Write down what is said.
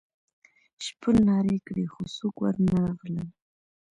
شپون نارې کړې خو څوک ور نه غلل.